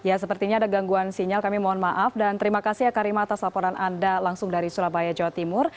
ya sepertinya ada gangguan sinyal kami mohon maaf dan terima kasih ya karima atas laporan anda langsung dari surabaya jawa timur